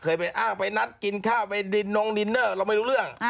ไปอ้างไปนัดกินข้าวไปดินนงดินเนอร์เราไม่รู้เรื่อง